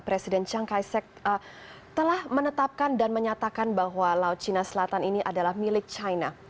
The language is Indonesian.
presiden chang khai sek telah menetapkan dan menyatakan bahwa laut cina selatan ini adalah milik china